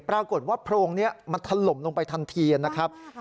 ปรากฏว่าโพรงนี้มันถล่มลงไปทันทีนะครับ